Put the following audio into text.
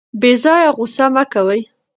بې ځایه غوسه مه کوئ.